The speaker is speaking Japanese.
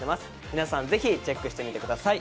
皆さんぜひチェックしてみてください。